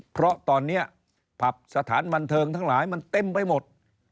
เพราะตอนนี้ผับสถานบันเทิงทั้งหลายมันเต็มไปหมด